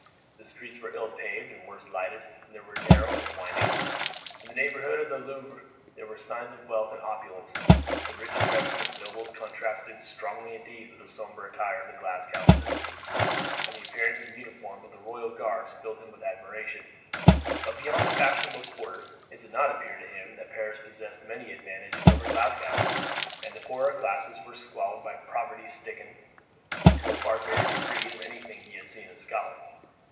The streets were ill paved and worse lighted, and were narrow and winding. In the neighbourhood of the Louvre there were signs of wealth and opulence. The rich dresses of the nobles contrasted strongly indeed with the sombre attire of the Glasgow citizens, and the appearance and uniform of the royal guards filled him with admiration; but beyond the fashionable quarter it did not appear to him that Paris possessed many advantages over Glasgow, and the poorer class were squalid and poverty stricken to a far greater degree than anything he had seen in Scotland.